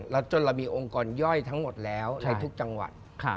แล้วจนเรามีองค์กรย่อยทั้งหมดแล้วในทุกจังหวัด